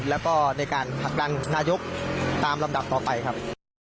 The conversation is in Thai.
แล้วก็ในการผลักดันนายกตามลำดับต่อไปครับ